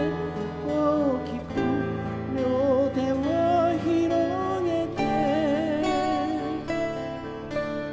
「大きく両手を拡げて」